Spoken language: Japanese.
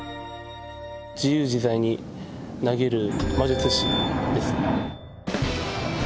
自由自在に投げる魔術師ですね。